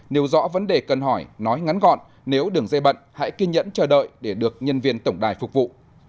nếu rõ vấn đề cần hỏi nói ngắn gọn nếu đường dây bận hãy kiên nhẫn chờ đợi để được nhân viên tổng đài tìm hiểu